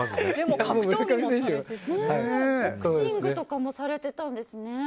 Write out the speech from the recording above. ボクシングとかもされてたんですね。